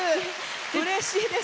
うれしいです。